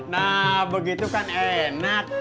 nah begitu kan enak